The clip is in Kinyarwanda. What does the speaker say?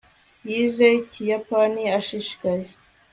yize ikiyapani ashishikaye